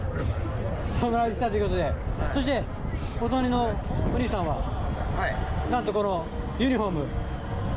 侍で来たということで、そして、お隣のお兄さんは、なんとこのユニホーム。